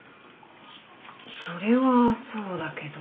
それはそうだけど。